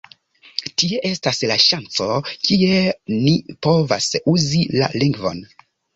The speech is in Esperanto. Tie estas la ŝanco, kie ni povas uzi la lingvon.